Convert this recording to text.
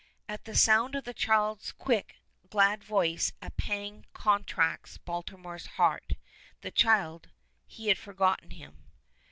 At the sound of the child's quick, glad voice a pang contracts Baltimore's heart. The child He had forgotten him.